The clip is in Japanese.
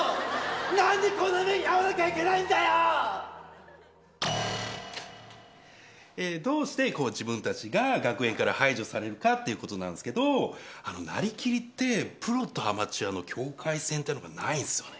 なんでこんな目に遭どうして自分たちが学園から排除されるかっていうことなんですけど、なりきりって、プロとアマチュアの境界線っていうのがないんすよね。